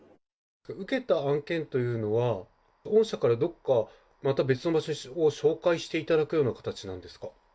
受けた案件というのは、御社からどこかまた別の場所を紹介していただくような形なんですか？